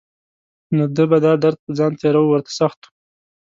نو ده به دا درد په ځان تېراوه ورته سخت و.